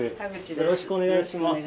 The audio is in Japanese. よろしくお願いします。